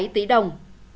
bảy tỷ đồng